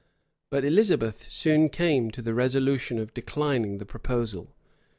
But Elizabeth soon came to the resolution of declining the proposal.